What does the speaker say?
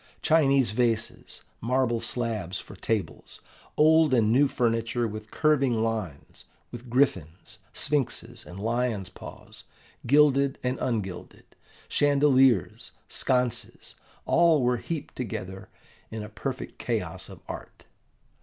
Chinese vases, marble slabs for tables, old and new furniture with curving lines, with griffins, sphinxes, and lions' paws, gilded and ungilded, chandeliers, sconces, all were heaped together in a perfect chaos of art.